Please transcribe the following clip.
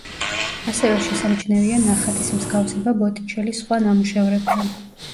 ასევე შესამჩნევია ნახატის მსგავსება ბოტიჩელის სხვა ნამუშევრებთან.